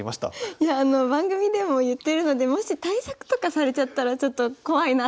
いやあの番組でも言ってるのでもし対策とかされちゃったらちょっと怖いなと思って変えてみました。